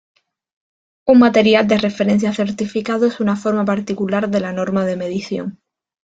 Un material de referencia certificado es una forma particular de la norma de medición.